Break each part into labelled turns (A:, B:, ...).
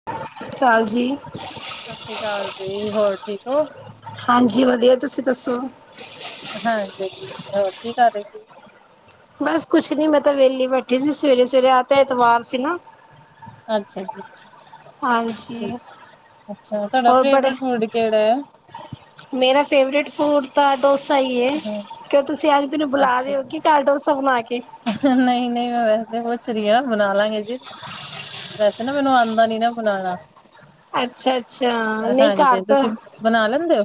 A: [unintelligible] ਚਾਲ ਜੀ।
B: ਸਤਿ ਸ਼੍ਰੀ ਅਕਾਲ ਜੀ ਹੋਰ ਠੀਕ ਹੋ।
A: ਹਾਂਜੀ ਵਧੀਆ ਤੁਸੀਂ ਦੱਸੋ।
B: ਹਾਂਜੀ, ਹੋਰ ਕੀ ਕਰ ਰਹੇ ਸੀ।
A: ਬਸ ਕੁਛ ਨੀ ਮੈਂ ਤਾਂ ਵਿਹਲੀ ਬੈਠੀ ਸੀ। ਸਵੇਰੇ ਸਵੇਰੇ ਅੱਜ ਤੇ ਐਤਵਾਰ ਸੀ ਨਾ।
B: ਅੱਛਾ ਜੀ
A: ਹਾਂਜੀ
B: ਅੱਛਾ-ਅੱਛਾ ਤੁਹਾਡਾ
A: ਹੋਰ ਬੜੇ
B: ਫੇਰੇਟ ਫੂਡ ਕਿਹੜਾ
A: ਮੇਰਾ ਫੇਵਰੇਟ ਫੂਡ ਤਾਂ ਡੋਸਾ ਹੀ
B: ਹਾਂ
A: ਕਿਉਂ ਤੁਸੀਂ ਅੱਜ ਮੈਨੂੰ ਬੁਲਾ
B: ਅੱਛਾ,
A: ਰਹੇ ਹੋ ਕਿ ਘਰ ਡੋਸਾ ਬਣਾ ਕੇ
B: ਨਹੀਂ, ਨਹੀਂ ਮੈਂ ਵੈਸੇ ਪੁੱਛ ਰਹੀ ਹਾਂ ਬਣਾ ਲਾਂਗੇ ਜੀ। ਵੈਸੇ ਨਾ ਮੈਨੂੰ ਆਉਂਦਾ ਨੀ ਨਾ ਬਣਾਉਣਾ।
A: ਅੱਛਾ, ਅੱਛਾ ਨਹੀਂ ਘਰ
B: ਹਾਂਜੀ
A: ਤਾਂ
B: ਤੁਸੀਂ ਬਣਾ ਲੈਂਦੇ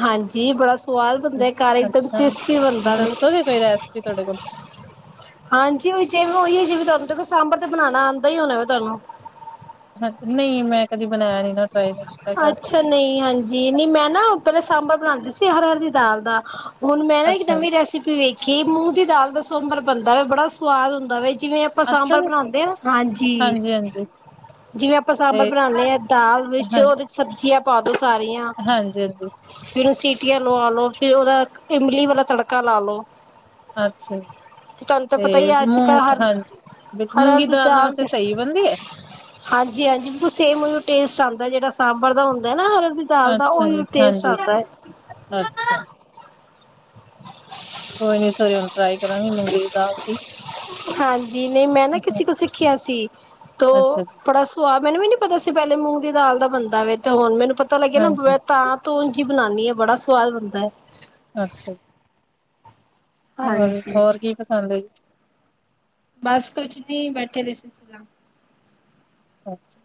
A: ਹਾਂਜੀ। ਬੜਾ ਸਵਾਦ
B: ਹੋ?
A: ਬਣਦਾ ਘਰ ਇਕਦਮ
B: ਅੱਛਾ,
A: ਟੇਸਟੀ ਬਣਦਾ
B: ਦੱਸੋਗੇ ਕੋਈ ਰੈਸਪੀ ਤੁਹਾਡੇ ਕੋਲ?
A: ਹਾਂਜੀ। ਉਹੀ ਜਿਵੇ ਉਹੀ ਜਿਵੇਂ ਤੁਹਾਨੂੰ ਸਾਂਬਰ ਤੇ ਬਣਾਣਾ ਆਂਦਾ ਹੀ ਹੋਣਾ ਵਾ ਤੁਹਾਨੂੰ
B: ਹਾਂਜੀ, ਨਹੀਂ ਮੈਂ ਕਦੀ ਬਣਾਇਆ ਨੀ ਨਾ ਟਰਾਈ।
A: ਅੱਛਾ, ਨਹੀਂ ਹਾਂਜੀ। ਨਹੀਂ ਮੈਂ ਨਾ ਪਹਿਲਾਂ ਸਾਂਬਰ ਬਣਾਂਦੀ ਸੀ ਹਰ ਹਰ ਦੀ ਦਾਲ ਦਾ। ਹੁਣ ਮੈਂ ਨਾ ਇੱਕ
B: ਅੱਛਾ ਜੀ,
A: ਨਵੀਂ ਰੈਸਿਪੀ ਵੇਖੀ ਮੂੰਹ ਦੀ ਦਾਲ ਦਾ ਸੋਬਰ ਬਣਦਾ ਵਾਂ ਬੜਾ ਸਵਾਦ ਹੁੰਦਾ ਵ ਜਿਵੇਂ। ਆਪਾਂ
B: ਅੱਛਾ
A: ਸਾਂਬਰ
B: ਜੀ।
A: ਬਣਾਉਂਦੇ ਆ ਹਾਂਜੀ ਜਿਵੇਂ ਆਪਾਂ ਸਾਂਬਰ
B: ਤੇ
A: ਬਣਾਉਦੇ ਹਾਂ ਦਾਲ ਵਿੱਚ ਉਹਦੇ
B: ਹਾਂ
A: ਚ ਸਬਜ਼ੀਆਂ ਪਾ ਦੋ ਸਾਰੀਆਂ
B: ਹਾਂਜੀ ਹਾਂਜੀ,
A: ਫਿਰ ਉਹਨੂੰ ਸੀਟੀਆਂ ਲਵਾ ਲੋ। ਫੇਰ ਉਹਦਾ ਇਮਲੀ ਵਾਲਾ ਤੜਕਾ ਲਾ ਲੋ
B: ਅੱਛਾ। ਤੇ
A: ਪਤਾ ਹੀ ਅੱਜ
B: ਮੂੰ
A: ਕੱਲ੍ਹ ਹਰ
B: ਹਾਂਜੀ ਮੂੰਗੀ ਦੀ ਦਾਲ ਵਾਸਤੇ ਸਹੀ ਬਣਦੀ ਐ।
A: ਹਾਂਜੀ, ਹਾਂਜੀ ਬਿਲਕੁ ਸੇਮ ਟੇਸਟ ਆਉਂਦਾ ਜਿਹੜਾ ਸਾਂਬਰ ਦਾ ਹੁੰਦਾ ਨਾ। ਦਾਲ ਦਾ
B: ਅੱਛਾ ਜੀ
A: ਉਹੀ ਟੇਸਟ
B: ਹਾਂਜੀ
A: ਆਂਦਾ।
B: ਅੱਛਾ। ਕੋਈ ਨੀ ਸੋਰੀ ਹੁਣ ਟ੍ਰਾਈ ਕਰਾਂਗੇ ਮੂੰਗੀ ਦੀ ਦਾਲ ਦੀ।
A: ਹਾਂਜੀ। ਨਹੀਂ ਮੈਂ ਨਾ ਕਿਸੇ ਕੋ ਸਿੱਖਿਆ ਸੀ ਤੋਂ
B: ਅੱਛਾ ਜੀ
A: ਬੜਾ ਸੁਆਹ ਮੈਨੂੰ ਵੀ ਨੀ ਪਤਾ ਸੀ ਪਹਿਲੇ ਮੂੰਗ ਦੀ ਦਾਲ ਦਾ ਬਣਦਾ ਵੈ ਤੇ ਹੁਣ ਮੈਨੂੰ ਪਤਾ ਲੱਗਿਆ
B: ਹਾਂਜੀ
A: ਨਾ ਤਾਂ। ਤੂੰਜੀ ਬਣਾਦੀ ਆ ਬੜਾ ਸਵਾਦ ਬਣਦਾ।
B: ਅੱਛਾ ਜੀ। ਹੋਰ,
A: ਹਾਂਜੀ
B: ਹੋਰ ਕੀ ਪਸੰਦ ਐ।
A: ਬਸ ਕੁੱਛ ਨ ਬੈਠੇ ਦੇ ਸੀਗੇ।
B: ਅੱਛਾ।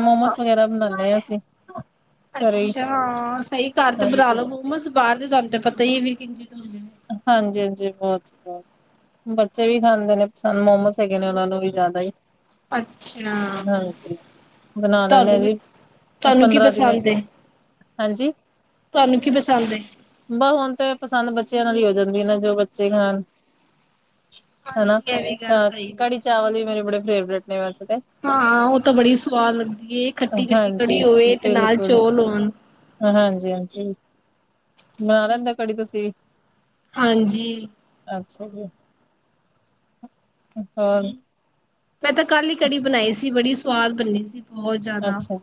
B: ਮੋਮੋਸ ਵਗੈਰਾ ਬਣਾਣੇ ਆ ਅਸੀਂ। ਘਰੇ ਹੀ
A: ਅੱਛਾ, ਹਾਂ ਸਹੀ ਘਰ ਤੇ ਬਣਾ
B: ਹਾਂਜੀ
A: ਲੋ ਮੋਮਸ ਬਾਹਰ ਦੇ ਤੁਹਾਨ ਤੇ ਪਤਾ ਹੀ [unintelligible]
B: ਹਾਂਜੀ, ਹਾਂਜੀ ਬਹੁਤ ਬਹੁਤ ਬੱਚੇ ਵੀ ਖਾਂਦੇ ਨੇ ਪਸੰਦ ਮੋਮੋਸ ਹੈਗੇ ਨੇ ਉਹਨਾਂ ਨੂੰ ਵੀ ਜ਼ਿਆਦਾ ਹੀ।
A: ਅੱਛਾ
B: ਹਾਂਜੀ
A: ਤੇ
B: ਬਣਾ ਲੈਂਦੇ
A: ਤੁਹਾਨੂੰ
B: ਹਾਂ
A: ਵੀ
B: ਜੀ
A: ਤੁਹਾਨੂੰ ਕੀ
B: ਪੰਦਰਾਂ ਦਿਨਾਂ
A: ਪਸੰਦ
B: ਚ
A: ਏ
B: ਹਾਂਜੀ
A: ਤੁਹਾਨੂੰ ਕੀ ਪਸੰਦ
B: ਬ ਹੁਣ ਤਾਂ ਪਸੰਦ ਬੱਚਿਆਂ ਨਾਲ ਹੀ ਹੁੰਦਾ ਨਾ ਜੋ ਬੱਚੇ ਖਾਣ, ਹਨਾ
A: ਹਾਂਜੀ ਇਹ ਵੀ ਗੱਲ
B: ਤਾਂ
A: ਸਹੀ ਏ।
B: ਕੜੀ ਚਾਵਲ ਵੀ ਮੇਰੇ ਬੜੇ ਫੇਵਰੇਟ ਨੇ ਵੈਸੇ ਤੇ।
A: ਹਾਂ, ਉਹ ਤਾਂ ਬੜੀ ਸਵਾਦ ਲੱਗਦੀ ਐ ਖੱਟੀ, ਖੱਟੀ
B: ਹਾਂਜੀ
A: ਕੜੀ ਹੋਵੇ ਤੇ ਨਾਲ
B: ਬਿਲਕੁਲ
A: ਚੌਲ ਹੋਣ।
B: ਹਾਂਜੀ ਹਾਂਜੀ ਬਣਾ ਲੈਂਦੇ ਹੋ ਕੜੀ ਤੁਸੀਂ ਵੀ
A: ਹਾਂਜੀ।
B: ਅੱਛਾ ਜੀ ਹੋਰ,
A: ਮੈਂ ਤਾਂ ਕੱਲ ਹੀ ਕੜੀ ਬਣਾਈ ਸੀ। ਬੜੀ ਸਵਾਦ ਬਣਨੀ ਸੀ। ਬਹੁਤ ਜ਼ਿਆਦਾ
B: ਅੱਛਾ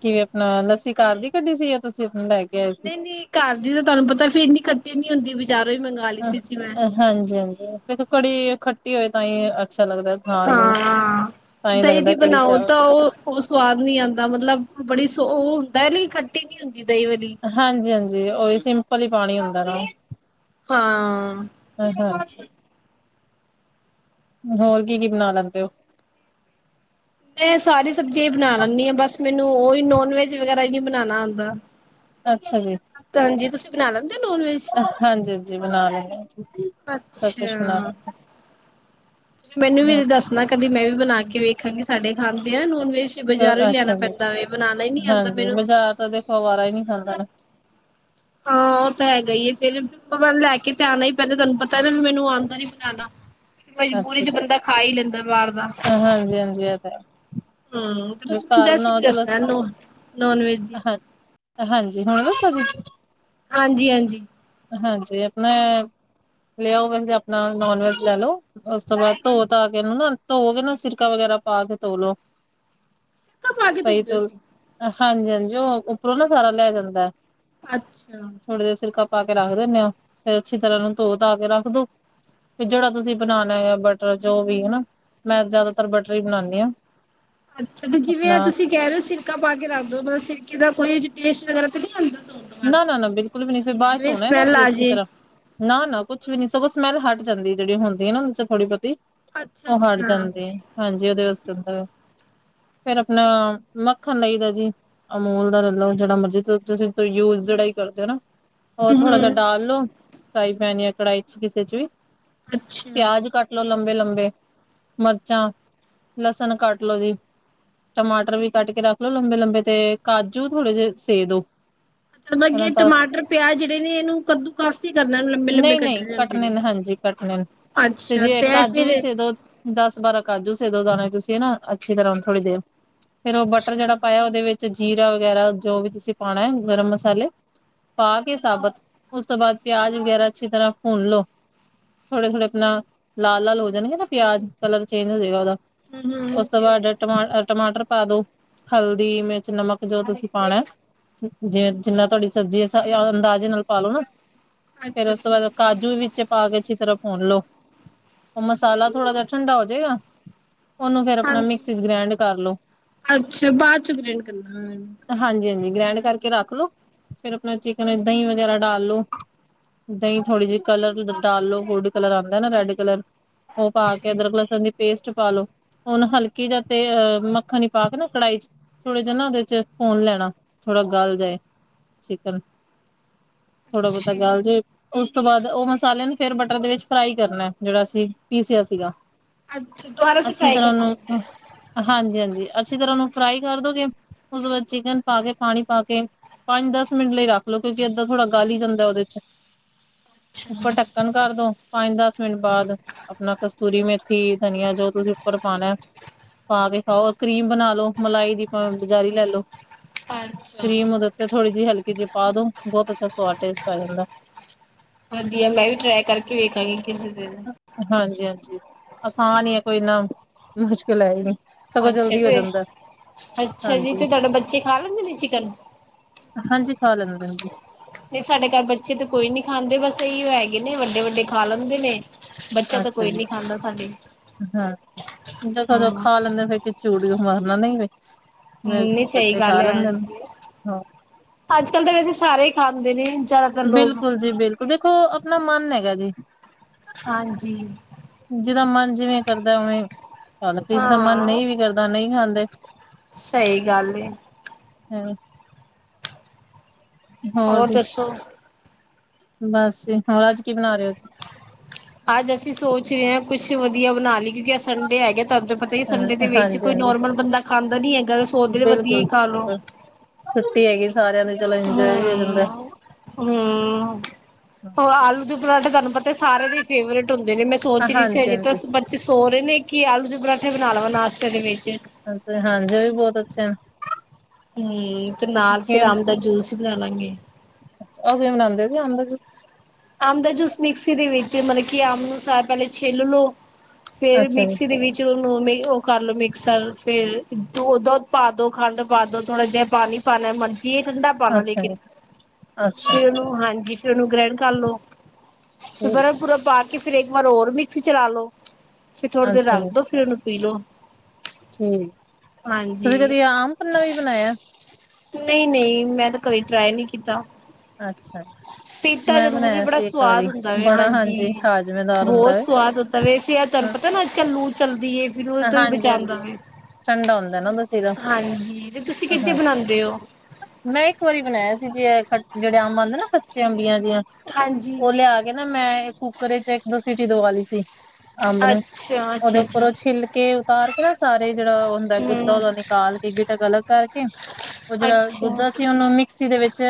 B: ਕਿਵੇ ਆਪਣਾ ਲੱਸੀ ਘਰ ਦੀ ਕੱਢੀ ਸੀ ਆ ਤੁਸੀਂ ਆਪ ਨੂੰ ਲੈ ਕੇ ਆਏ ਸੀ
A: ਨਹੀਂ, ਨਹੀਂ ਘਰ ਦੀ ਤਾਂ ਤੁਹਾਨੂੰ ਪਤਾ ਫਿਰ ਇੰਨੀ ਖੱਟੀ ਨੀ ਹੁੰਦੀ ਬਜ਼ਾਰੋਂ ਹੀ ਮੰਗਵਾ ਲਦੀ ਸੀ ਮੈਂ।
B: ਹਾਂਜੀ, ਹਾਂਜੀ ਦੇਖੋ ਕੜੀ ਖੱਟੀ ਹੋਏ ਤਾਂ ਹੀ ਅੱਛਾ ਲੱਗਦਾ। ਖਾਣ
A: ਹਾਂ
B: ਨੂੰ
A: ਹਾਂ,
B: ਤਾਂ ਹੀ
A: ਦਈ
B: ਲੱਗਦਾ
A: ਦੀ
B: ਕੜੀ
A: ਬਣਾਓ ਓ
B: ਚਾਵਲ
A: ਤਾਂ ਉਹ ਸਵਾਦ ਨੀ ਆਂਦਾ ਮਤਲਬ ਬੜੀ ਸ ਉਹ ਹੁੰਦਾ ਨਹੀਂ ਖੱਟੀ ਨੀ ਹੁੰਦੀ ਦਹੀਂ ਵਾਲੀ।
B: ਹਾਂਜੀ, ਹਾਂਜੀ ਓਹੀ ਸਿੰਪਲ ਹੀ ਪਾਣੀ ਹੁੰਦਾ ਨਾ।
A: ਹਾਂ।
B: ਹਾਂ ਹਾਂ, ਹੋਰ ਕੀ ਕੀ ਬਣਾ ਲੈਂਦੇ ਹੋ।
A: ਮੈਂ ਸਾਰੀ ਸਬਜ਼ੀਆਂ ਹੀ ਬਣਾ ਲੈਂਦੀ ਹਾਂ ਬਸ ਮੈਨੂੰ ਹੀ ਨੋਨ ਵੈਜ ਵਗੈਰਾ ਹੀ ਨਹੀਂ ਬਣਾਣਾ ਆਂਦਾ
B: ਅੱਛਾ ਜੀ
A: ਤਾਂ ਹਾਂਜੀ ਤੁਸੀਂ ਬਣਾ ਲੈਂਦੇ ਹੋ ਨੋਨ ਵੈਜ
B: ਹਾਂਜੀ ਹਾਂਜੀ ਬਣਾ ਲੈਂਦੇ ਸਭ ਕੁਛ ਬਣਾ
A: ਅੱਛਾ ਮੈਨੂੰ
B: ਲੈਂਦੇ ਹਾਂ।
A: ਵੀ
B: ਹਾਂਜੀ,
A: ਦੱਸ ਨਾ ਕਦੀ ਮੈਂ ਵੀ ਬਣਾ ਕੇ ਵੇਖਾਂਗੀ ਸਾਡੇ ਖਾਂਦੇ ਆ ਨੋਨ ਵੈਜ ਬਜ਼ਾਰੋਂ ਹੀ ਲਿਆਣਾ ਪੈਂਦਾ ਵ ਬਣਾਣਾ ਈ ਨੀ ਆਂਦਾ ਮੈਨੂੰ
B: ਜਾ ਉਹਦੇ ਵਾਰਾ ਹੀ ਨਹੀਂ ਖਾਂਦਾ।
A: ਹਾਂ ਉਹ ਤਾਂ ਹੈਗਾ ਹੀ ਫੇਰ ਲੈ ਕੇ ਤੇ ਆਣਾ ਹੀ ਪੈਂਦਾ ਤੁਹਾਨੂੰ ਪਤਾ ਹੈ ਨਾ ਮੈਨੂੰ ਆਂਦਾ ਨੀ ਬਣਾਣਾ
B: [unintelligible]
A: ਮਜਬੂਰੀ ਚ ਬੰਦਾ ਖਾ ਹੀ ਲੈਂਦਾ ਬਾਹਰ ਦਾ।
B: ਹਾਂ ਹਾਂਜੀ ਹਾਂਜੀ ਇਹ ਤਾਂ ਹੈ।
A: ਹੂੰ ਤੇ ਤੁਸੀਂ ਮੈਨੂੰ
B: ਘਰ ਬਣਾਓ
A: ਰੈਸਪੀ
B: ਚਲੋ
A: ਦੱਸਣਾ ਨੋਨ ਵੈਜ। ਦੀ
B: ਹਾਂਜੀ ਹੁਣ ਦੱਸੋ ਜੀ।
A: ਹਾਂਜੀ-ਹਾਂਜੀ।
B: ਹਾਂਜੀ ਆਪਣਾ ਲੈ ਆਓ ਵੈਸੇ ਆਪਣਾ ਨੋਨ ਵੈਜ ਲੈ ਲਓ। ਉਸ ਤੋਂ ਬਾਅਦ ਧੋ ਧਾ ਕੇ ਇਹਨੂੰ ਨਾ ਧੋ ਕੇ ਨਾ ਸਿਰਕਾ ਵਗੈਰਾ ਪਾ ਕੇ ਧੋ ਲਓ।
A: ਸਿਰਕਾ ਪਾ ਕੇ ਧੋਂਦੇ ਹੋ?
B: ਹਾਂਜੀ-ਹਾਂਜੀ ਉਹ ਉੱਪਰੋਂ ਨਾ ਸਾਰਾ ਲਿਆ ਜਾਂਦਾ ਐ।
A: ਅੱਛਾ।
B: ਥੋੜ੍ਹੀ ਦੇਰ ਸਿਰਕਾ ਪਾ ਕੇ ਰੱਖ ਦਿੰਦੇ ਹੋ। ਫ਼ਿਰ ਅੱਛੀ ਤਰ੍ਹਾਂ ਉਹ ਨੂੰ ਧੋ ਧਾ ਕੇ ਰੱਖ ਦੋ। ਫਿਰ ਜਿਹੜਾ ਤੁਸੀਂ ਬਣਾਉਣਾ ਆ ਬਟਰ ਜੋ ਵੀ ਹਨਾ। ਮੈਂ ਜਿਆਦਾਤਰ ਬਟਰ ਹੀ ਬਣਾਉਂਦੀ ਹਾਂ।
A: ਅੱਛਾ ਤੇ ਜਿਵੇਂ ਆਹ
B: ਆਪਣਾ
A: ਤੁਸੀਂ ਕਹਿ ਰਹੇ ਹੋ ਸਿਰਕਾ ਪਾ ਕੇ ਰੱਖ ਦਿਉ ਮਤਲਬ ਸਿਰਕੇ ਦਾ ਕੋਈ ਟੇਸਟ ਵਗੈਰਾ ਤੇ ਨਹੀਂ ਆਉਂਦਾ।
B: ਨਾ ਨਾ ਨਾ ਬਿਲਕੁਲ ਵੀ ਨਹੀਂ ਫਿਰ ਬਾਅਦ ਧੋਣਾ ਨਾ
A: ਸਮੈਲ ਆ
B: ਅੱਛੀ
A: ਜੇ
B: ਤਰ੍ਹਾਂ। ਨਾ ਨਾ ਕੁਛ ਵੀ ਨਹੀਂ ਸਗੋਂ ਸਮੈਲ ਹੱਟ ਜਾਂਦੀ ਜਿਹੜੀ ਹੁੰਦੀ ਹੈ ਨਾ ਉਹਦੇ ਚ ਥੋੜੀ ਬਹੁਤੀ।
A: ਅੱਛਾ
B: ਉਹ ਹਟ
A: ਅੱਛਾ
B: ਜਾਂਦੀ ਆ ਹਾਂਜੀ ਉਹਦੇ ਵਾਸਤੇ ਫਿਰ ਆਪਣਾ ਮੱਖਣ ਲਈ ਦਾ ਜੀ ਅਮੂਲ ਦਾ ਲੈਲੋ ਜਿਹੜਾ ਮਰਜੀ ਤੁਸੀਂ ਯੂਜ ਜਿਹੜਾ ਹੀ ਕਰਦੇ ਹੋ ਨਾ ਉਹ ਥੋੜਾ ਜਿਹਾ
A: ਹੂੰ,
B: ਡਾਲ ਲੋੋ। ਫਰਾਈ ਪੈਨ ਜਾਂ ਕੜਾਹੀ ਚ ਕਿਸੇ ਚ ਵੀ
A: ਅੱਛਾ।
B: ਪਿਆਜ ਕੱਟ ਲੋ ਲੰਬੇ-ਲੰਬੇ ਮਿਰਚਾਂ ਲਸਣ ਕੱਟ ਲੋੋ ਜੀ। ਟਮਾਟਰ ਵੀ ਕੱਟ ਕੇ ਰੱਖ ਲੋ ਲੰਬੇ ਲੰਬੇ ਤੇ ਕਾਜੂ ਥੋੜੇ ਜਿਹੇ ਸੇ ਦੋ। ਹਨਾ
A: ਅੱਗੇ
B: ਦਸ
A: ਟਮਾਟਰ ਪਿਆਜ ਜਿਹੜੇ ਨੇ ਇਹਨੂੰ ਕੱਦੂ ਕਸ ਹੀ ਕਰਨਾ ਲੰਬੇ ਲੰਬੇ
B: ਨਈ-ਨਈ
A: ਕੱਟੇ ਹੁੰਦੇ
B: ਕੱਟਣੇ
A: ਨੇ।
B: ਹਾਂਜੀ ਕੱਟਣੇ ਤੇ
A: ਅੱਛਾ
B: ਜੇ ਕਾਜੂ
A: ਫਿਰ
B: ਵੀ ਸੇ ਦੋ। ਦਸ ਬਾਰਾਂ ਕਾਜੂ ਦੋ ਦਾਣੇ ਤੁਸੀਂ ਨਾ ਅੱਛੀ ਤਰ੍ਹਾਂ ਥੋੜ੍ਹੀ ਦੇਰ। ਫਿਰ ਉਹ ਬਟਰ
A: ਅੱਛਾ
B: ਜਿਹੜਾ ਪਾਇਆ ਉਹਦੇ ਵਿੱਚ ਜੀਰਾ ਵਗੈਰਾ ਜੋ ਵੀ ਤੁਸੀਂ ਪਾਉਣਾ ਹੈ ਗਰਮ ਮਸਾਲੇ। ਪਾ ਕੇ ਸਾਬਤ ਉਸ ਤੋਂ ਬਾਅਦ ਪਿਆਜ ਵਗੈਰਾ ਅੱਛੀ ਤਰ੍ਹਾਂ ਭੁੰਨ ਲਉ। ਥੋੜੇ-ਥੋੜੇ ਆਪਣਾ ਲਾਲ-ਲਾਲ ਹੋ ਜਾਣਗੇ ਨਾ ਪਿਆਜ ਕਲਰ ਚੇਂਜ ਹੋ ਜਏਗਾ ਉਹਦਾ
A: ਹੂੰ-ਹੂੰ,
B: ਉਸ ਤੋਂ ਬਾਅਦ ਟਮਾ ਟਮਾਟਰ ਪਾ ਦੋ ਹਲਦੀ ਮਿਰਚ ਨਮਕ ਜੋ ਤੁਸੀਂ ਪਾਉਣਾ ਐ। ਜਿਵੇਂ ਜਿੰਨਾ ਤੁਹਾਡੀ ਸਬਜ਼ੀ ਅੰਦਾਜ਼ੇ ਨਾਲ ਪਾ ਲਉ ਨਾ। ਫਿਰ ਉਸ ਤੋਂ
A: ਅੱਛਾ-ਅੱਛਾ
B: ਬਾਅਦ ਕਾਜੂ ਵਿੱਚ ਪਾ ਕੇ ਅੱਛੀ ਤਰ੍ਹਾਂ ਭੁਨ ਲਉ। ਉਹ ਮਸਾਲਾ ਥੋੜਾ ਜਿਹਾ ਠੰਢਾ ਹੋ ਜਾਏਗਾ। ਉਹਨੂੰ ਫਿਰ ਆਪਣਾ
A: ਹਾਂਜੀ।
B: ਮਿਕਸੀ ਚ ਗ੍ਰੈਂਡ ਕਰ ਲਉ।
A: ਅੱਛਾ ਬਾਅਦ ਚੋਂ ਗ੍ਰੈਂਡ ਕਰਨਾ ਇਹਨੂੰ
B: ਹਾਂਜੀ-ਹਾਂਜੀ ਗ੍ਰੈਂਡ ਕਰਕੇ ਰੱਖ ਲਉ। ਫਿਰ ਆਪਣਾ ਚਿਕਨ ਦਹੀਂ ਵਗੈਰਾ ਡਾਲ ਲਉ। ਦਹੀਂ ਥੋੜ੍ਹੀ ਜਿਹੀ ਕਲਰ ਡਾ ਲਉ ਗੋਲਡ ਕਲਰ ਆਉਂਦਾ ਨਾ ਰੈੱਡ ਕਲਰ ਉਹ ਪਾ ਕੇ
A: ਅੱਛਾ,
B: ਅਦਰਕ ਲਸਣ ਦੀ ਪੇਸਟ ਪਾ ਲਉ। ਹੁਣ ਹਲਕੀ ਜਾਂ ਤੇ ਅਹ ਮੱਖਣ ਪਾ ਕੇ ਨਾ ਕੜਾਹੀ ਚ ਥੋੜੇ ਜਿਹੇ ਨਾ ਉਹਦੇ ਚ ਭੁੰਨ ਲੈਣਾ। ਥੋੜਾ ਗੱਲ ਜਾਏ ਚਿਕਨ ਥੋੜਾ ਬਹੁਤਾ
A: ਅੱਛਾ।
B: ਗੱਲ਼ ਜਾਏ। ਉਸ ਤੋਂ ਬਾਅਦ ਉਹ ਮਸਲਿਆਂ ਨੂੰ ਫਿਰ ਬਟਰ ਦੇ ਵਿੱਚ ਫਰਾਈ ਕਰਨਾ ਐ ਜਿਹੜਾ ਅਸੀਂ ਪੀਸਿਆ ਸੀਗਾ।
A: ਅੱਛਾ ਦੁਬਾਰਾ ਸ
B: ਅੱਛੀ
A: ਫਰਾਈ
B: ਤਰ੍ਹਾਂ
A: ਕਰਨੇ।
B: ਉਹਨੂੰ ਹਾਂਜੀ-ਹਾਂਜੀ ਅੱਛੀ ਤਰ੍ਹਾਂ ਉਹਨੂੰ ਫਰਾਈ ਕਰ ਦੋਗੇ ਉਸ ਤੋਂ ਬਾਅਦ ਚਿਕਨ ਪਾ ਕੇ ਪਾਣੀ ਪਾ ਕੇ ਪੰਜ ਦਸ ਮਿੰਟ ਲਈ ਰੱਖ ਲਓ। ਕਿਉਂਕਿ ਇੱਦਾਂ ਥੋੜਾ ਗਲ ਹੀ ਜਾਂਦਾ ਉਹਦੇ ਚ।
A: ਅੱਛਾ,
B: ਉੱਪਰ ਢੱਕਣ ਕਰਦੋ ਪੰਜ ਦੱਸ ਮਿੰਟ ਬਾਅਦ ਆਪਣਾ ਕਸਤੂਰੀ ਮੇਥੀ ਧਨੀਆ ਜੋ ਤੁਸੀਂ ਉੱਪਰ ਪਾਉਣਾ ਐ। ਪਾ ਕੇ ਹੋਰ ਕਰੀਮ ਬਣਾ ਲਓ ਮਲਾਈ ਦੀ ਬਜ਼ਾਰੀ ਲੈ ਲਉ।
A: ਅੱਛਾ।
B: ਕਰੀਮ ਉਹਦੇ ਉੱਤੇ ਥੋੜੀ ਜਿਹੀ ਹਲਕੀ ਜਿਹੀ ਪਾ ਦੋ ਬਹੁਤ ਅੱਛਾ ਸਵਾਦ ਟੇਸਟ ਆ ਜਾਂਦਾ।
A: ਵਧੀਆ ਮੈਂ ਵੀ ਟਰਾਏ ਕਰਕੇ ਵੇਖਾਂਗੀ ਕਿਸੀ ਦਿਨ।
B: ਹਾਂਜੀ ਹਾਂਜੀ ਆਸਾਨ ਹੀ ਹੈ ਕੋਈ ਇੰਨਾ ਮੁਸ਼ਕਿਲ ਹੈ ਹੀ ਨਹੀਂ।
A: ਅੱਛਾ ਤੇ ਅੱਛਾ ਜੀ
B: ਹਾਂਜੀ
A: ਤੇ ਤੁਹਾਡੇ ਬੱਚੇ ਖਾ ਲੈਂਦੇ ਨੇ ਚਿਕਨ?
B: ਹਾਂਜੀ ਖਾ ਲੈਂਦੇ ਜੀ।
A: ਨਹੀਂ ਸਾਡੇ ਘਰ ਬੱਚੇ ਤਾਂ ਕੋਈ ਨੀ ਖਾਂਦੇ ਬਸ ਇਹੋ ਹੈਗੇ ਨੇ ਵੱਡੇ ਵੱਡੇ ਖਾ ਲੈਂਦੇ ਨੇ। ਬੱਚਾ ਤਾਂ
B: ਅੱਛਾ
A: ਕੋਈ
B: ਜੀ
A: ਨੀ ਖਾਂਦਾ ਸਾਡੇ
B: ਹਾਂ ਜਦੋਦੋਂ
A: ਹਾਂ
B: ਖਾ ਲੈਂਦੇ ਫਿਰ ਚੂੜੀ ਤੋਂ ਮਰਨਾ ਨਈ ਫਿਰ
A: ਹਮ ਨਹੀ ਸਹੀ ਗੱਲ ਹੈ ਹਾਂਜੀ।
B: ਹਾਂ
A: ਅੱਜ ਕੱਲ੍ਹ ਤਾਂ ਵੈਸੇ ਸਾਰੇ ਹੀ ਖਾਾਂਦੇ ਨੇ ਜ਼ਿਆਦਾਤਰ ਲੋਕ।
B: ਬਿਲਕੁਲ ਜੀ ਬਿਲਕੁਲ ਦੇਖੋ ਆਪਣਾ ਮਨ ਹੈਗਾ ਜੀ।
A: ਹਾਂਜੀ।
B: ਜਿਦਾ ਮਨ ਜਿਵੇਂ ਕਰਦਾ ਉਵੇਂ ਖਲੇਂਦੇ ਜਿਸਦਾ ਮਨ
A: ਹਾਂ
B: ਨਹੀਂ ਵੀ ਕਰਦਾ ਨਹੀਂ ਖਾਂਦੇ।
A: ਸਹੀ ਗੱਲ ਹੈ।
B: ਹਮ। ਹੋਰ ਜੀ ਬਸ ਹੋਰ ਅੱਜ ਕੀ ਬਣਾ ਰਹੇ ਹੋ।
A: ਅੱਜ ਅਸੀਂ ਸੋਚ ਰਹੇ ਹਾਂ ਕੁਛ ਵਧੀਆ ਬਣਾ ਲਈ ਕਿਉਂਕਿ ਅੱਜ ਸੰਡੇ ਹੈਗਾ। ਤੁਹਾਹੂੰ ਪਤਾ ਹੀ ਸੰਡੇ
B: ਹੋ
A: ਦੇ ਵਿੱਚ
B: ਹਾਂਜੀ
A: ਕੋਈ
B: ਹਾਂਜੀ
A: ਨੋਰਮਲ ਬੰਦਾ ਖਾਂਦਾ ਨੀ ਹੈਗਾ ਸੋਕਦੇ ਲਈ ਵਧੀਆ ਹੀ
B: ਬਿਲਕੁਲ
A: ਖਾ ਲੋ।
B: ਛੁੱਟੀ ਹੈਗੀ। ਸਾਰਿਆਂ ਦੀ ਗੱਲ
A: ਹਮ ਹਮ। ਹੋ ਆਲੂ ਦੇ ਪਰਾਂਠੇ ਤੁਹਾਨੂੰ ਪਤਾ ਸਾਰੇ ਦੇ ਹੀ ਫੇਵਰੇਟ ਹੁੰਦੇ ਨੇ ਮੈਂ ਸੋਚ ਰਹੀ ਸੀ
B: ਹਾਂਜੀ
A: ਅਜੇ ਤਾਂ
B: ਹਾਂਜੀ
A: ਸੋਹ ਰਹੇ ਨੇ ਕਿ ਆਲੂਆਲੇ ਪਰਾਂਠੇ ਬਣਾ ਲਵਾਂ ਨਾਸ਼ਤੇ ਦੇ ਵਿੱਚ।
B: ਹਾਂਜੀ ਉਹ ਵੀ ਬਹੁਤ ਅੱਛਾ
A: ਹਮ ਤੇ ਨਾਲ ਫਿਰ ਅੰਬ ਦਾ ਜੂਸ ਹੀ ਬਣਾ ਲਾਂਗੇ।
B: ਅੱਛਾ ਉਹਵੇ ਬਨਾਉਂਦੇ ਜੀ ਅੰਬ ਦਾ ਜੂਸ
A: ਅਬ ਦਾ ਜੂਸ ਮਿਕਸੀ ਦੇ ਵਿੱਚ ਮਤਲਬ ਕਿ ਅੰਬ ਨੂੰ ਸਾਰਾ ਪਹਿਲੇ ਛੇਲ ਲਓ। ਫੇਰ
B: ਅੱਛਾ ਜੀ
A: ਮਿਕਸੀ ਦੇ ਵਿੱਚ ਉਹਨੂੰ ਉਹ ਕਰ ਲਉ ਮਿਕਸਰ ਫਿਰ ਦੱਧ ਪਾ ਦਉ ਖੰਡ ਪਾ ਦੋ ਥੋੜ੍ਹਾ ਜਿਹਾ ਪਾਣੀ ਪਾਣਾ ਮਰਜੀ ਇਹ ਠੰਡਾ ਪਾਉਣਾ
B: ਅੱਛਾ
A: ਲੇਕਿਨ
B: ਜੀ ਅੱਛਾ
A: ਫੇਰ ਉਹਨੂੰ ਹਾਂਜੀ ਫੇਿਰ ਉਹਨੂੰ ਗ੍ਰਿੰਡੇਰ ਕਰ ਲੋ ਤੇ
B: ਠੀਕ
A: ਬਰਫ ਬੁਰਫ ਪਾ ਕੇ ਫਿਰ ਇੱਕ ਵਾਰ ਹੋਰ ਮਿਕਸੀ ਚਲਾ ਲੋੋ। ਫਿਰ ਥੋੜਾ ਦੇਰ
B: ਅੱਛਾ
A: ਰੱਖ
B: ਜੀ
A: ਦੋ ਫਿਰ ਉਹਨੂੰ ਪੀ ਲੋੋ।
B: ਠੀਕ ਤੁਸੀਂ ਕਦੀ ਆਮ ਪੰਨਾ ਵੀ ਬਣਾਇਆ।
A: ਨਹੀਂ ਨਹੀਂ ਮੈਂ ਤਾਂ ਕਦੀ ਟਰਾਈ ਨਹੀਂ ਕੀਤਾ।
B: ਅੱਛਾ ਜੀ।
A: ਪੀਤਾ
B: ਮੈਂ
A: ਜਰੂਰ
B: ਬਣਾਇਆ
A: ਬੜਾ
B: ਸੀ ਇੱਕ
A: ਸਵਾਦ
B: ਵਾਰੀ
A: ਹੁੰਦਾ ਵੇ
B: ਬੜਾ
A: ਹਾਂਜੀ
B: ਹਾਜ਼ਮੇਦਾਰ ਹੁੰਦਾ
A: ਬਹੁਤ ਸਵਾਦ ਤੇ ਵਾਇਸਹਿ ਏ ਫਿਰ ਤਹਾਨੂੰ
B: ਹੈ
A: ਪਤਾ ਨਾ ਅੱਜ ਕੱਲ ਲੂ ਚੱਲਦੀ ਫਿਰ ਉਹਦੇ ਤੋਂ ਹੀ
B: ਹਾਂਜੀ ਹਾਂਜੀ
A: ਬਚਾਉਂਦਾ ਏ।
B: ਠੰਡਾ ਹੁੰਦਾ ਨਾ ਉਹਦਾ ਸੀਰਾ
A: ਹਾਂਜੀ ਤੇ ਤੁਸੀਂ ਕਿਹਦੇ ਚ
B: ਹਾਂ
A: ਬਣਾਉਂਦੇ ਹੋ।
B: ਮੈਂ ਇੱਕ ਵਾਰੀ ਬਣਾਇਆ ਸੀ ਜੇ ਜਿਹੜੇ ਅੰਬ ਆਉਂਦੇ ਨਾ ਕੱਚੇ ਅੰਬੀਆਂ ਜਿਆਂ
A: ਹਾਂਜੀ
B: ਉਹ ਲਿਆ ਕੇ ਨਾ ਮੈਂ ਕੁੱਕਰੇ ਚ ਇੱਕ ਦੋ ਸੀਿਟੀ ਦਵਾ ਲਈ ਸੀ। ਅੰਬ ਨੂੰ
A: ਅੱਛਾ
B: ਉਹਦੇ
A: ਅੱਛਾ
B: ਉੱਪਰ
A: ਅੱਛਾ
B: ਉਹ ਛਿੱਲਕੇ ਉਤਾਰ ਕੇ ਨਾ ਸਾਰੇ ਜਿਹੜਾ ਗੁੱਦਾ
A: ਹਮ
B: ਉਹਦਾ ਨਿਕਾਲ ਕੇ ਗਿਟਕ ਅਲੱਗ ਕਰਕੇ ਉਹ ਜਿਹੜਾ
A: ਅੱਛਾ
B: ਗੁੱਦਾ ਸੀਂ ਉਹਨੂੰ ਮਿਕਸੀ ਦੇ ਵਿੱਚ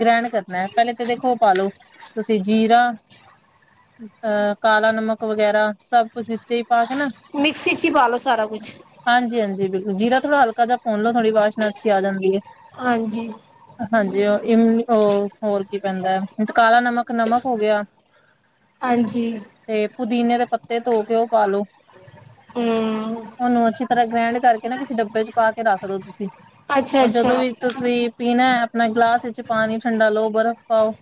B: ਗ੍ਰੈਂਡ ਕਰਨਾ ਹੈ ਪਹਿਲੇ ਤੇ ਦੇਖੋ ਓਹ ਪਾਲੋ। ਤੁਸੀਂ ਜੀਰਾ ਅਹ ਕਾਲਾ ਨਮਕ ਵਗੈਰਾ ਸਭ ਕੁਛ ਵਿੱਚ ਹੀ ਪਾ ਕੇ ਨਾ
A: ਮਿਕਸੀ ਚ ਹੀ ਪਾਲੋ ਸਾਰਾ ਕੁਛ।
B: ਹਾਂਜੀ ਹਾਂਜੀ ਬਿਲਕੁਲ ਜੀਰਾ ਥੋੜਾ ਹਲਕਾ ਜਾ ਭੁਨ ਲੋ ਥੋੜੀ ਜੀ ਵਾਸ਼ਨਾ ਅੱਛੀ ਆ ਜਾਂਦੀ ਹੈ।
A: ਹਾਂਜੀ।
B: ਹਾਂਜੀ ਉਹ ਹੋਰ ਕੀ ਪੈਂਦਾ ਹੈ, ਕਾਲਾ ਨਮਕ ਨਮਕ ਹੋ ਗਿਆ। [inaudible]
A: ਹਾਂਜੀ
B: ਤੇ ਪੁਦੀਨੇ ਦੇ ਪੱਤੇ ਧੋ ਕੇ ਉਹ ਪਾਲੋ।
A: ਹਮ
B: ਓਨੂੰ ਅੱਛੀ ਤਰ੍ਹਾਂ ਗ੍ਰੈਂਡ ਕਰਕੇ ਨਾ ਕਿਸੇ ਡੱਬੇ ਚ ਪਾ ਕੇ ਰੱਖਦੋ। ਤੁਸੀਂ
A: ਅੱਛਾ
B: ਉਹ ਜਦੋਂ
A: ਅੱਛਾ
B: ਵੀ ਤੁਸੀਂ ਪੀਨਾ ਆਪਣਾ ਗਿਲਾਸ ਵਿੱਚ ਪਾਨੀ ਠੰਡਾ ਲਓ ਬਰਫ਼ ਪਾਓ।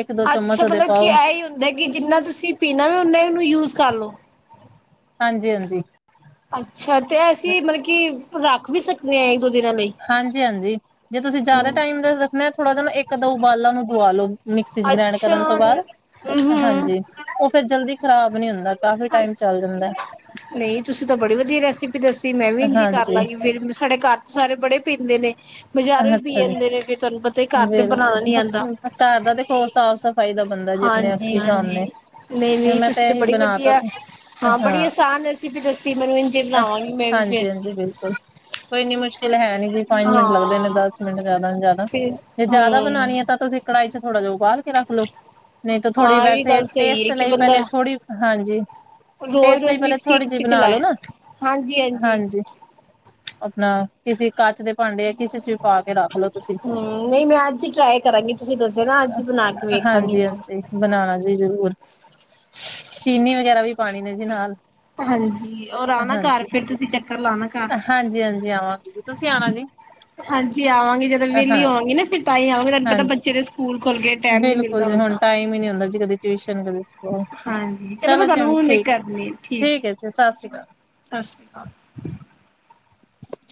B: ਇੱਕ ਦੋ ਚਮਚ
A: ਅੱਛਾ
B: ਉਹਦੇ
A: ਭਲਾ ਕਿ
B: ਪਾਓ
A: ਐਈ ਹੁੰਦਾ ਕਿ ਜਿੰਨਾ ਤੁਸੀਂ ਪੀਨਾ ਵੀ ਓਨਾ ਹੀ ਯੂਜ ਕਰ ਲੋ।
B: ਹਾਂਜੀ- ਹਾਂਜੀ
A: ਅੱਛਾ ਤੇ ਅਸੀਂ ਮੜਕਿ ਰੱਖ ਵੀ ਸਕਦੇ ਹਾਂ ਇੱਕ ਦੋ ਦਿਨਾਂ ਲਈ
B: ਹਾਂਜੀ- ਹਾਂਜੀ ਜੇ ਤੁਸੀਂ ਜ਼ਿਆਦਾ ਟਾਈਮ ਰੱਖਣੇ ਹੈ ਥੋੜ੍ਹਾ ਜਿਹਾ ਨਾ ਇੱਕ ਅੱਧਾ ਉਬਾਲਾ ਦੁਵਾ ਲੋ। ਮਿਕਸੀ 'ਚ ਗ੍ਰੈਂਡ
A: ਅੱਛਾ
B: ਕਰਨ ਤੋਂ ਬਾਅਦ
A: ਹਮ
B: ਹਾਂਜੀ। ਉਹ ਫਿਰ ਜਲਦੀ ਖ਼ਰਾਬ ਨੀ ਹੁੰਦਾ ਕਾਫੀ ਟਾਈਮ ਚੱਲ ਜਾਂਦਾ।
A: ਨਹੀਂ ਤੁਸੀਂ ਤਾਂ ਬੜੀ ਵਧੀਆ ਰੈਸਿਪੀ ਦੱਸੀ ਮੈਂ ਵੀ ਇੰਝ ਕਰ
B: ਹਾਂਜੀ
A: ਲਾਂਗੀ ਫਿਰ ਸਾਡੇ ਘਰ ਸਾਰੇ ਬੜਾ ਪੀਂਦੇ ਨੇ ਬਜ਼ਾਰੋ ਪੀ
B: ਅੱਛਾ ਜੀ
A: ਆਂਦੇ ਨੇ ਫਿਰ ਤਾਨੂੰ ਪਤਾ ਹੀ ਹੈ ਘਰ ਬਣਾਨਾ ਨਹੀਂ ਆਂਦਾ।
B: ਪਰ ਘਰ ਦਾ ਦੇਖੋ ਸਾਫ- ਸਾਫ ਤਾਂ ਇਹਦਾ ਬੰਦਾ ਜੇ
A: ਹਾਂਜੀ
B: ਆਪਣੇ
A: ਹਾਂਜੀ
B: ਸਾਹਮਣੇ
A: ਨਹੀਂ ਨਹੀਂ
B: ਮੈਂ ਤਾਂ
A: ਤੁਸੀਂ
B: ਇਹੀ
A: ਬੜੀ
B: ਬਣਾ ਤਾ
A: ਵਧੀਆ
B: ਸੀ।
A: ਹਾਂ
B: ਹਾ
A: ਬੜੀ ਆਸਾਨ ਰੈਸਿਪੀ ਦੱਸੀ ਮੈਨੂੰ ਇੰਝੇ ਬਣਾਵਾਂਗੀ ਮੈਂ ਵੀ ਫਿਰ
B: ਹਾਂਜੀ- ਹਾਂਜੀ ਬਿਲਕੁਲ ਕੋਈ ਇੰਨੀ ਮੁਸ਼ਕਿਲ ਹੈ ਨੀ ਜੀ ਪੰਜ ਮਿੰਟ ਲੱਗਦੇ ਨੇ
A: ਹਾਂ
B: ਦਸ ਮਿੰਟ ਜਿਆਦਾ-ਜਿਆਦਾ
A: ਫਿਰ
B: ਜੇ ਜ਼ਿਆਦਾ
A: ਹਮ
B: ਬਣਾਣੀ ਹੈ ਤਾਂ ਤੁਸੀਂ ਕੜਾਈ 'ਚ ਥੋੜਾ ਜਾ ਉਬਾਲ ਕੇ ਰੱਖ ਲੋ ਨਹੀਂ ਤਾਂ ਥੋੜੀ
A: ਹਾਂ ਇਹ ਵੀ
B: ਵੈਸੇ
A: ਗੱਲ ਸਹੀ ਹੈ
B: ਟੇਸਟ
A: ਕਿ
B: ਲਈ ਪਹਿਲੇ
A: ਬੰਦਾ
B: ਥੋੜੀ ਹਾਂਜੀ ਟੈਸਟ ਲਈ
A: ਰੋਜ਼-ਰੋਜ਼
B: ਪਹਿਲੇ
A: ਮਿਕਸੀ
B: ਥੋੜ੍ਹੀ ਜਿਹੀ
A: ਕਿੱਥੇ
B: ਬਣਾ ਲੋ
A: ਚਲਾਏ। ਹਾਂਜੀ-ਹਾਂਜੀ।
B: ਹਾਂਜੀ। ਆਪਣਾ ਕਿਸੇ ਕੱਚ ਦੇ ਭਾਂਡੇ ਕਿਸੇ ਚ ਵੀ ਪਾ ਕੇ ਰੱਖ ਲੋ ਤੁਸੀਂ
A: ਹੂੰ ਨਹੀਂ ਮੈਂ ਅੱਜ ਟਰਾਈ ਕਰਾਂਗੀ ਤੁਸੀ ਦੱਸਿਆ ਨਾ ਅੱਜ ਬਣਾ ਕੇ ਵੇਖਾਂਗੀ
B: ਹਾਂਜੀ-
A: ਮੈਂ।
B: ਹਾਂਜੀ ਬਣਾਣਾ ਜੀ ਜਰੂਰ ਚੀਨੀ ਵਗੈਰਾ ਵੀ ਪਾਣੀ ਨੇ ਜੀ ਨਾਲ
A: ਹਾਂਜੀ ਔਰ ਆਣਾ ਘਰ ਫਿਰ ਤੁਸੀਂ ਚੱਕਰ ਲਾਣਾ ਘਰ
B: ਹਾਂਜੀ- ਹਾਂਜੀ ਆਵਾਂਗੇ ਜੀ ਤੁਸੀਂ ਆਉਣਾ ਜੀ।
A: ਹਾਂਜੀ ਆਵਾਂਗੇ ਜਦੋਂ
B: ਹਾਂ
A: ਵਿਹਲੀ ਹੋਵਾਂਗੀ ਨਾ ਫਿਰ ਤਾਂ ਹੀ ਆਵਾਂਗੇ ਤੁਹਾਨੂੰ ਪਤਾ
B: ਹਾਂਜੀ।
A: ਬੱਚੇ ਦੇ ਸਕੂਲ ਖੁੱਲ ਗਏ। ਟਾਈਮ ਨੀ
B: ਬਿਲਕੁਲ
A: ਮਿਲਦਾ
B: ਜੀ ਹੁਣ
A: ਤਾਂ।
B: ਟਾਈਮ ਹੀ ਨਹੀਂ ਹੁੰਦਾ ਜੀ ਕਦੇ ਟਿਊਸ਼ਨ ਕਦੇ
A: ਹਾਂਜੀ ਮੈਂ
B: ਚਲੋ ਜੀ
A: ਤੁਹਾਨੂੰ
B: ਹੁਣ
A: ਹੁਣੇ
B: ਠੀਕ-
A: ਕਰਨੀ ਆ
B: ਠੀਕ
A: ਐ
B: ਜੀ ਸਤਿ ਸ਼੍ਰੀ ਅਕਾਲ।
A: ਸਤਿ ਸ਼੍ਰੀ ਅਕਾਲ।
B: [inaudible]